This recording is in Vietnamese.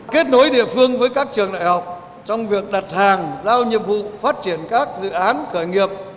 kết nối địa phương với các trường đại học trong việc đặt hàng giao nhiệm vụ phát triển các dự án khởi nghiệp